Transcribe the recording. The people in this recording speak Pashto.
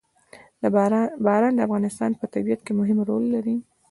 باران د افغانستان په طبیعت کې مهم رول لري.